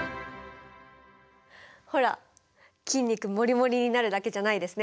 ほら筋肉モリモリになるだけじゃないですね。